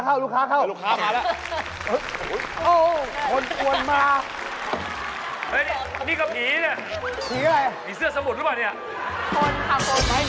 เอานี่ดีกว่าเพราะเด็ดใดเข้ามาใกล้ละ